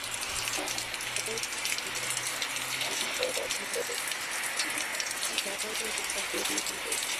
kwa kuweza kuwachapanga mabao mawili kwa bila